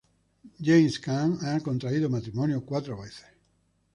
James Caan ha contraído matrimonio cuatro veces.